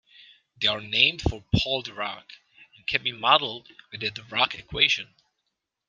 They are named for Paul Dirac, and can be modeled with the Dirac equation.